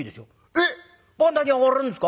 「えっ番台に上がれるんですか？